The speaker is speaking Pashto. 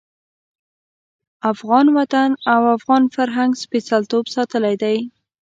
افغان وطن او افغان فرهنګ سپېڅلتوب ساتلی دی.